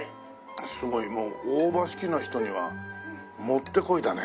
すごいもう大葉好きな人にはもってこいだねこれ。